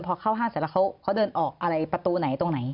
พอเข้าห้างเสร็จแล้วเขาเดินออกอะไรประตูไหนตรงไหน